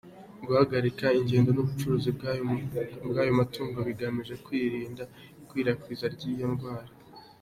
Guhagarika ingendo n’ ubucuruzi bw’ ayo matungo bigamije kwirinda ikwirakwirzwa ry’ iyo ndwara.